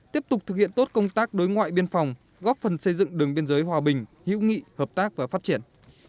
tiếp tục thực hiện tốt công tác đối ngoại biên phòng góp phần xây dựng đường biên giới hòa bình hữu nghị hợp tác và phát triển